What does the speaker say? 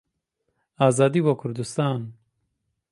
ئازادی بۆ کوردستان!